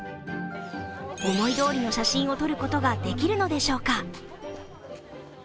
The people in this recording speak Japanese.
思いどおりの写真を撮ることができるのでしょうか。